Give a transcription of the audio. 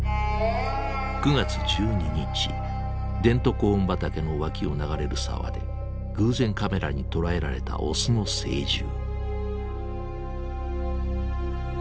デントコーン畑の脇を流れる沢で偶然カメラに捉えられたオスの成獣。